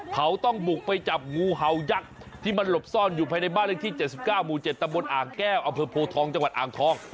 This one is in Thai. เขาต้องบุกไปจับงูเห่ายักษ์ที่มันหลบซ่อนอยู่ภายในบ้านเลขที่๗๙หมู่๗ตำบลอ่างแก้วอำเภอโพทองจังหวัดอ่างทอง